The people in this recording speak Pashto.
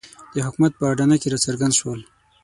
د حکومت په اډانه کې راڅرګند شول.